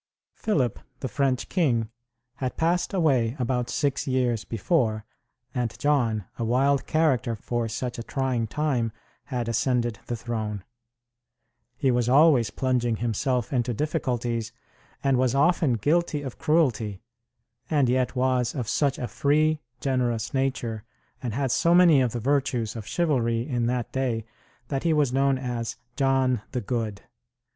Philip, the French king, had passed away about six years before, and John, a wild character for such a trying time, had ascended the throne. He was always plunging himself into difficulties, and was often guilty of cruelty; and yet was of such a free, generous nature, and had so many of the virtues of chivalry in that day, that he was known as "John the Good."